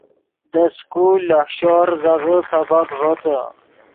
دے سکول لوہ شور ریزغے سبق ݱوتے